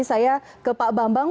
saya ke pak bambang